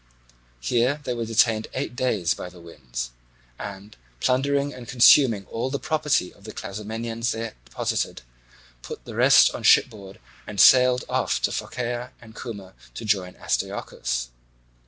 Here they were detained eight days by the winds, and, plundering and consuming all the property of the Clazomenians there deposited, put the rest on shipboard and sailed off to Phocaea and Cuma to join Astyochus.